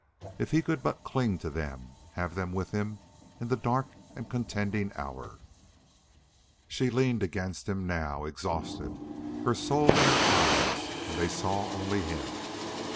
If he could but cling to them have them with him in the dark and contending hour! She leaned against him now, exhausted, her soul in her eyes, and they saw only him.